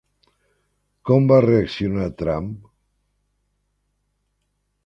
Com va reaccionar Trump?